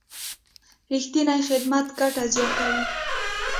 رښتینی خدمت ګټه زیاتوي.